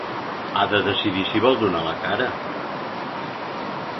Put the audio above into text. Ha de decidir si vol donar la cara.